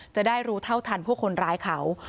จะได้รู้เท่าทันพวกคนร้ายเขา